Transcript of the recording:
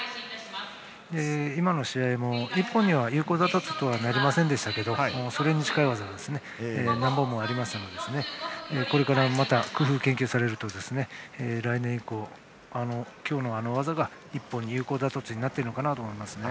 今の試合も１本の有効打突にはなりませんがそれに近い技が何本もありましたのでこれからも工夫・研究されると来年以降、今日のあの技が１本の有効打突になっているのかなと思います。